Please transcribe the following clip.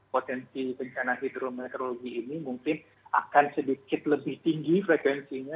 potensi bencana hidrometeorologi ini mungkin akan sedikit lebih tinggi frekuensinya